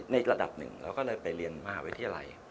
ในระดับหนึ่งเราก็เลยไปเรียนมาบพึทิอะไร